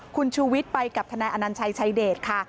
คุณชูวิทย์ไปกับทนายอนัญชัยชายเดชค่ะ